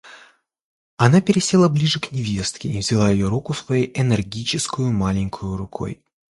Она пересела ближе к невестке и взяла ее руку своею энергическою маленькою рукой.